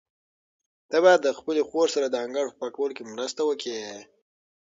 ته باید د خپلې خور سره د انګړ په پاکولو کې مرسته وکړې.